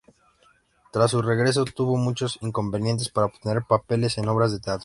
Tras su regreso tuvo muchos inconvenientes para obtener papeles en obras del teatro.